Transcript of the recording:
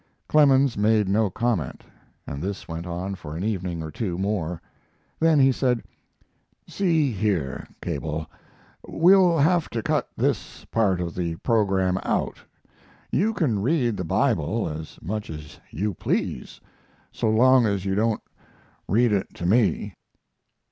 Clemens made no comment, and this went on for an evening or two more. Then he said: "See here, Cable, we'll have to cut this part of the program out. You can read the Bible as much as you please so long as you don't read it to me."